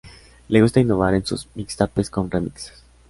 Le gusta innovar en sus mixtapes con remixes.